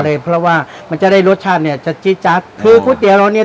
เลยเพราะว่ามันจะได้รสชาติเนี้ยจัดจี๊จัดคือก๋วยเตี๋ยวเราเนี้ย